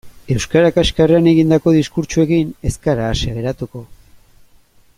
Euskara kaxkarrean egindako diskurtsoekin ez gara ase geratuko.